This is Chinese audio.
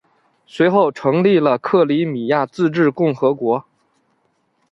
随后成立了克里米亚自治共和国。